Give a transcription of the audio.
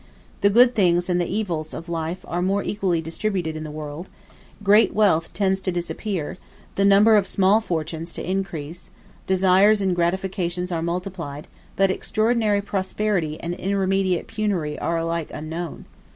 The good things and the evils of life are more equally distributed in the world: great wealth tends to disappear, the number of small fortunes to increase; desires and gratifications are multiplied, but extraordinary prosperity and irremediable penury are alike unknown.